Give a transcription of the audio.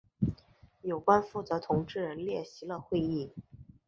有关负责同志列席了会议。